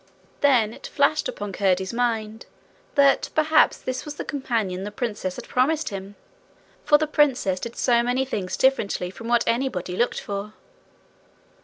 Then it flashed upon Curdie's mind that perhaps this was the companion the princess had promised him. For the princess did so many things differently from what anybody looked for!